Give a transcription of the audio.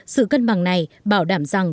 sự cân bằng này bảo đảm rằng